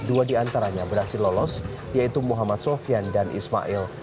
dua diantaranya berhasil lolos yaitu muhammad sofian dan ismail